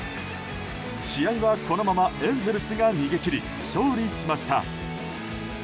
試合はこのままエンゼルスが逃げ切り、勝利しました。